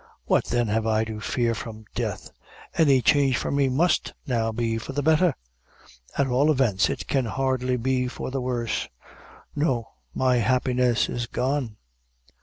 What then have I to fear from death? Any change for me must now be for the betther; at all events it can hardly be for the worse. No; my happiness is gone."